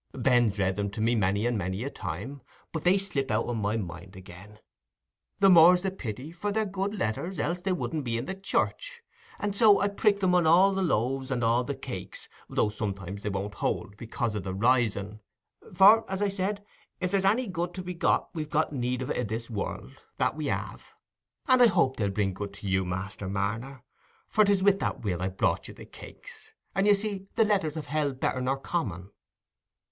"Ben's read 'em to me many and many a time, but they slip out o' my mind again; the more's the pity, for they're good letters, else they wouldn't be in the church; and so I prick 'em on all the loaves and all the cakes, though sometimes they won't hold, because o' the rising—for, as I said, if there's any good to be got we've need of it i' this world—that we have; and I hope they'll bring good to you, Master Marner, for it's wi' that will I brought you the cakes; and you see the letters have held better nor common."